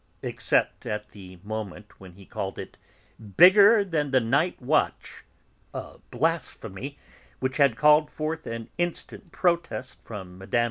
Except at the moment when he had called it "bigger than the 'Night Watch,'" a blasphemy which had called forth an instant protest from Mme.